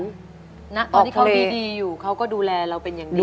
ตอนที่เขาดีอยู่เขาก็ดูแลเราเป็นอย่างดี